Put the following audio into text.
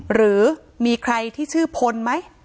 หรือมีใครที่ชื่อพลไหม